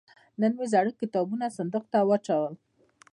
نن مې زاړه کتابونه صندوق ته واچول.